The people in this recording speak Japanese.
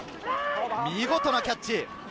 見事なキャッチ。